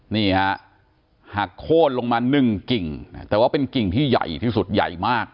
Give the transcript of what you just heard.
นี่ฮะหักโค้นลงมาหนึ่งกิ่งแต่ว่าเป็นกิ่งที่ใหญ่ที่สุดใหญ่มาก